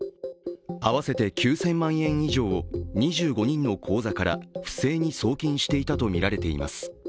合わせて９０００万円以上を２５人の口座から不正に送金していたとみられています。